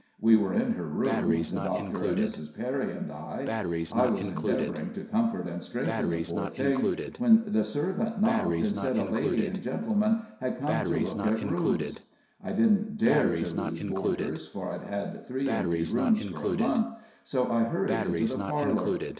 We were in her room the doctor and Mrs. Perry and I I was endeavoring to comfort and strengthen the poor thing, when the servant knocked, and said a lady and gentleman had come to look at rooms. I didn't dare to lose boarders, for I'd had three empty rooms for a month, so I hurried into the parlor.